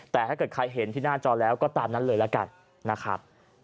แต่ถ้าเกิดใครเห็นที่หน้าจอแล้วก็ตามนั้นเลยละกันนะครับ